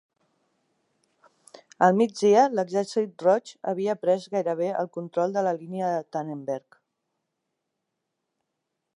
Al migdia, l'Exèrcit Roig havia pres gairebé el control de la línia de Tannenberg.